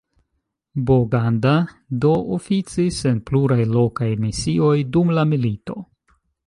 Boganda do oficis en pluraj lokaj misioj dum la milito.